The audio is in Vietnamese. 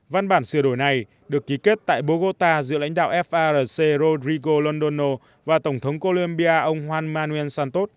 văn bản sửa đổi này được ký kết tại bogota giữa lãnh đạo farc rodrigo londono và tổng thống columbia ông juan manuel santos